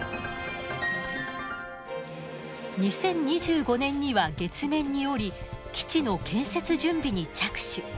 ２０２５年には月面に降り基地の建設準備に着手。